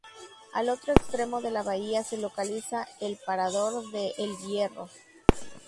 Al otro extremo de la bahía se localiza el Parador de El Hierro.